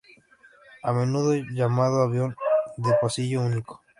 A menudo llamado avión de pasillo único.